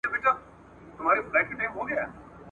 چي ناڅاپه د خوني زمري غړومبی سو ,